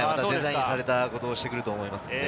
デザインされたことをしてくると思います。